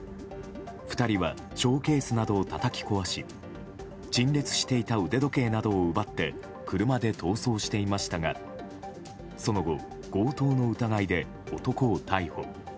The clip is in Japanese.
２人はショーケースなどをたたき壊し陳列していた腕時計などを奪って車で逃走していましたがその後、強盗の疑いで男を逮捕。